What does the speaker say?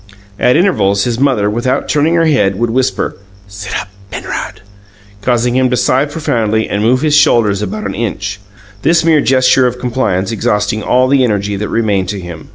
At intervals his mother, without turning her head, would whisper, "Sit up, Penrod," causing him to sigh profoundly and move his shoulders about an inch, this mere gesture of compliance exhausting all the energy that remained to him.